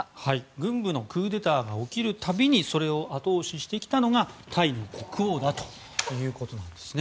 軍部のクーデターが起きるたびにそれを後押ししてきたのがタイの国王だということなんです。